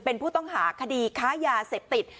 เป็นผู้ต้องหาคดีค้ายาเสพติด